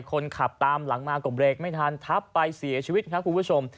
คนขับตามหลังมาก็เบรกไม่ทันทับไปเสียชีวิตครับคุณผู้ชม